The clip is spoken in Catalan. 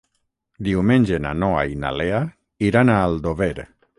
Diumenge na Noa i na Lea iran a Aldover.